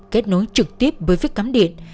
kết nối trực tiếp với phít cắm điện